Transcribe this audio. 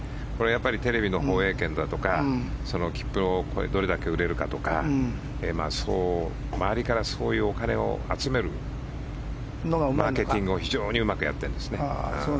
テレビの放映権だとか切符をどれだけ売れるかとか周りからそういうお金を集めるマーケティングを非常にうまくやってるんですね。